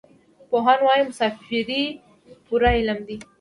پوهان وايي مسافري پوره علم دی.